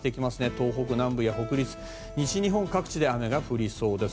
東北南部や、北陸西日本各地で雨が降りそうです。